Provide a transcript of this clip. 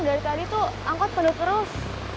dari tadi tuh angkot penuh terus